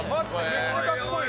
めっちゃかっこいい。